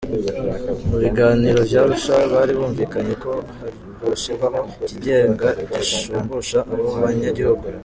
Mu biganiro vy'Arusha bari bumvikanye ko hoshirwaho ikigega gishumbusha abo banyagihugu.